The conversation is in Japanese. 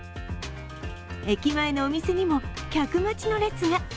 駅前のお店にも客待ちの列が。